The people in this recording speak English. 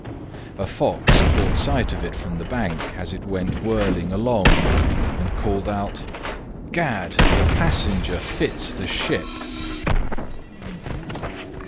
A Fox caught sight of it from the bank as it went whirling along, and called out, "Gad! the passenger fits the ship!"